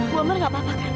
bu amar gak apa apa kan